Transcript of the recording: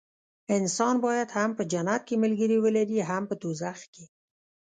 انسان باید هم په جنت کې ملګري ولري هم په دوزخ کې.